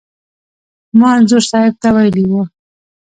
ما انځور صاحب ته ویلي و.